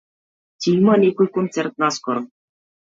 Ќе има некој концерт наскоро?